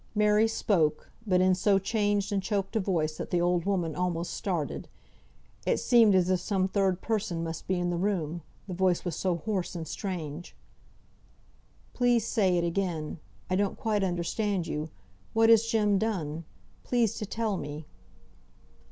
Mary spoke, but in so changed and choked a voice that the old woman almost started. It seemed as if some third person must be in the room, the voice was so hoarse and strange. "Please, say it again. I don't quite understand you. What has Jem done? Please to tell me."